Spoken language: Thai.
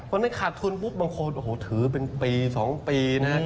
พอที่ขาดทุนปุ๊บบางคนถือเป็นปี๒ปีนะฮะ